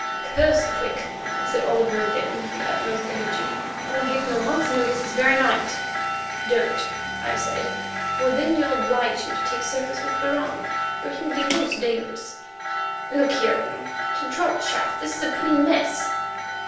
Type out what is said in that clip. "Curse Quick," said Oliver again, with the utmost energy. "I'll give him a month's notice this very night." "Don't," I said, "for then you'll oblige him to take service with Barung, where he would be most dangerous. Look here, Orme, to drop chaff, this is a pretty mess."